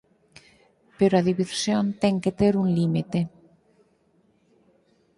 Pero a diversión ten que ter un límite.